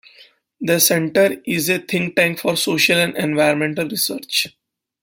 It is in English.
The center is a think-tank for social and environmental research.